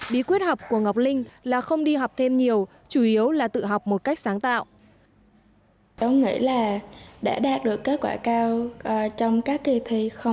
bí quyết học của ngọc linh là không đi học thêm nhiều chủ yếu là tự học một cách sáng tạo